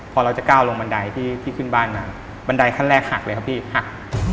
พอเราจะก้าวลงบันไดที่ขึ้นบ้านมาบันไดขั้นแรกหักเลยครับพี่หัก